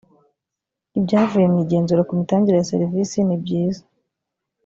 ibyavuye mu igenzura ku mitangire ya serivisi nibyiza.